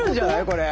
これ。